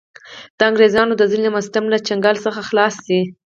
د انګرېزانو د ظلم او ستم له چنګاله څخه خلاص شـي.